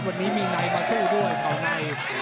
วันนี้มีในมาสู้ด้วย